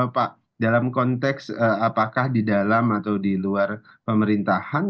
pak dalam konteks apakah di dalam atau di luar pemerintahan